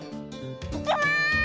いきます！